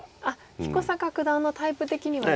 彦坂九段のタイプ的にはどうですか？